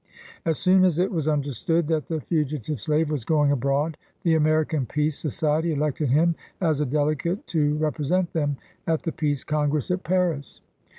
As soon as it was understood that the fugitive slave was going abroad, the American Peace Society elected him as a delegate to represent them at the Peace Congress at Paris.